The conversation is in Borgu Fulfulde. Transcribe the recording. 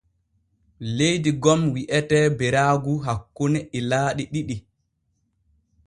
Leydi gom wi’etee Beraagu hakkune ilaaɗi ɗiɗi.